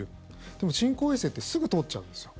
でも、人工衛星ってすぐ通っちゃうんですよ。